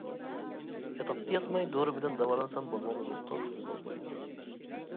-ياتاقتا ياتماي دورا بىلەن داۋالانسام بولمامدۇ دوختۇر؟ -بولمايدۇ.